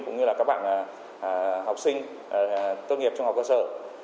cũng như là các bạn học sinh tốt nghiệp trung học cơ sở